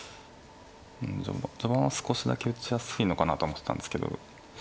序盤は少しだけ打ちやすいのかなと思ってたんですけど。